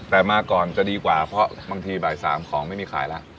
แต่มาก่อนจะดีกว่าเพราะบางทีบ่าย๓ของไม่มีขายแล้ว